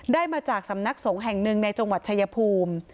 มาจากสำนักสงฆ์แห่งหนึ่งในจังหวัดชายภูมิ